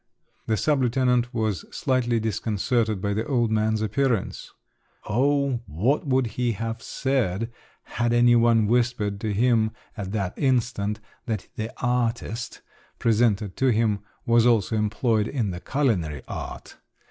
The sub lieutenant was slightly disconcerted by the old man's appearance … Oh, what would he have said had any one whispered to him at that instant that the "artist" presented to him was also employed in the culinary art!